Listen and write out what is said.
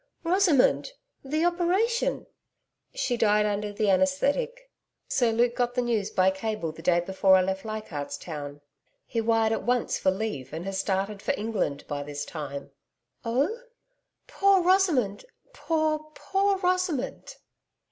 'Rosamond! The operation?' 'She died under the anaesthetic. Sir Luke got the news by cable the day before I left Leichardt's Town. He wired at once for leave and has started for England by this time.' 'Oh? poor Rosamond! Poor, poor Rosamond!'